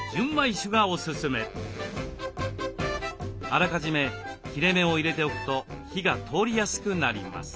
あらかじめ切れ目を入れておくと火が通りやすくなります。